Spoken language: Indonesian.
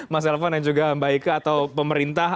mas elvan dan juga mba ike atau pemerintah